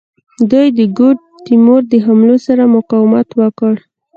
دوی د ګوډ تیمور د حملو سره مقاومت وکړ.